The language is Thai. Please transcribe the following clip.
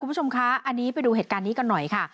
คุณผู้ชมคะอันนี้ไปดูเหตุการณ์นี้กันหน่อยค่ะ